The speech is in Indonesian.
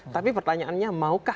tapi pertanyaannya maukah